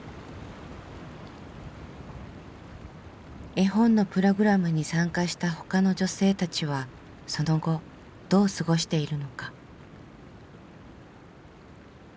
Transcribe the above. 絵本のプログラムに参加した他の女性たちはその後どう過ごしているのか。